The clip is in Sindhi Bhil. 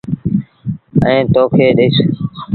ائيٚݩ تو کي ڏئيس۔